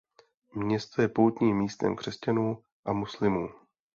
Město je poutním místem křesťanů a muslimů.